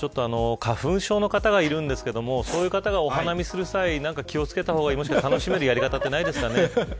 花粉症の方がいるんですけどそういう方が、お花見する際何か気を付けた方がいいもしくは楽しめるやり方ないですか。